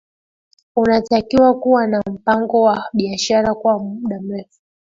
unatakiwa kuwa na mpango wa biashara kwa muda mrefu